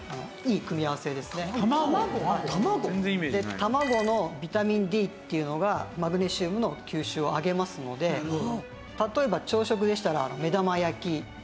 卵のビタミンＤっていうのがマグネシウムの吸収を上げますので例えば朝食でしたら目玉焼きとかですね。